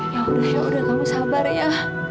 yaudah yaudah kamu sabar ya